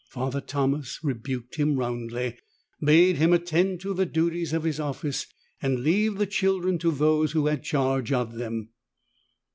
Father Thomas rebuked him roundly, bade him attend tO' the duties of his office and leave the children to those whO' had charge of them.